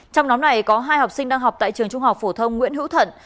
trong nhóm này có hai học sinh đang học tại trường trung học phổ thông nguyễn hữu thận